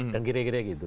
dan kira kira gitu